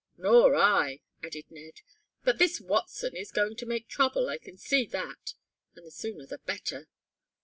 "Nor I," added Ned. "But this Watson is going to make trouble, I can see that. And the sooner the better."